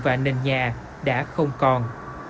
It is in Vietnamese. và nền nhà đã không còn